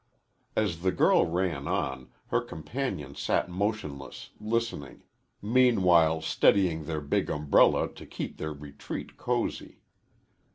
As the girl ran on, her companion sat motionless, listening meanwhile steadying their big umbrella to keep their retreat cozy.